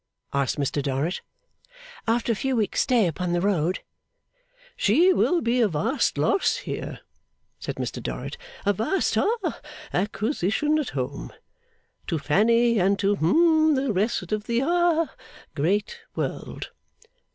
asked Mr Dorrit. 'After a few weeks' stay upon the road.' 'She will be a vast loss here,' said Mr Dorrit. 'A vast ha acquisition at home. To Fanny, and to hum the rest of the ha great world.